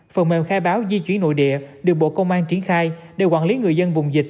phần mềm khai báo di chuyển nội địa được bộ công an triển khai để quản lý người dân vùng dịch